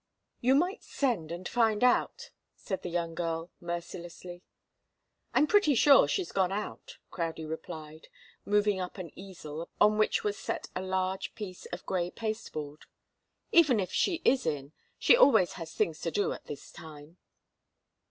"You might send and find out," said the young girl, mercilessly. "I'm pretty sure she's gone out," Crowdie replied, moving up an easel upon which was set a large piece of grey pasteboard. "Even if she is in, she always has things to do at this time."